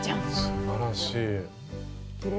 すばらしい。